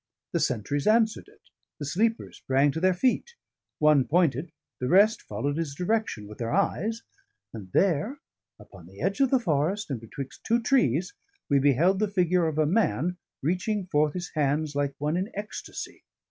The sentries answered it, the sleepers sprang to their feet; one pointed, the rest followed his direction with their eyes, and there, upon the edge of the forest, and betwixt two trees, we beheld the figure of a man reaching forth his hands like one in ecstasy.